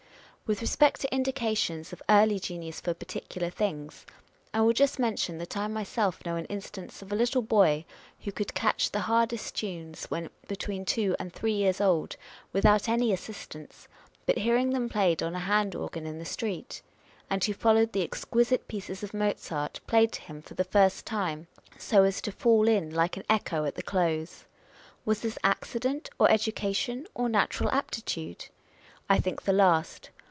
With respect to indications of early genius for particular things, I will just mention, that I myself know an instance of a little boy, who could catch the hardest tunes, when between two and three years old, without any assistance but hearing them played on a hand organ in the street ; and who followed the exquisite pieces of Mozart, played to him for the first time, so as to fall in like an echo at the close. Was this accident, or education, or natural aptitude? I think the last.